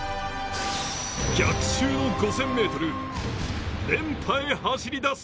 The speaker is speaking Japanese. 逆襲の５０００ｍ連覇へ走りだす。